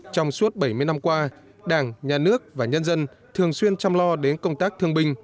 trong suốt bảy mươi năm qua đảng nhà nước và nhân dân thường xuyên chăm lo đến công tác thương binh